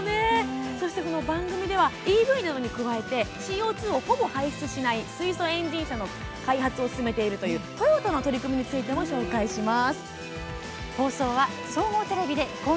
番組では、ＥＶなどに加えＣＯ２をほぼ排出しない水素エンジン車の開発を始めているトヨタの取り組みについても紹介します。